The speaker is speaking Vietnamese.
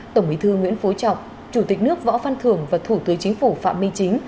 tổng bí thư nguyễn phú trọng chủ tịch nước võ văn thường và thủ tướng chính phủ phạm minh chính